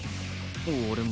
俺も。